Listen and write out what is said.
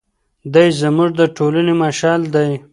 دی زموږ د ټولنې مشعل دی.